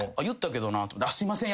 すいません